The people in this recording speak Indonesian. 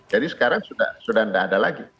jadi sekarang sudah enggak ada lagi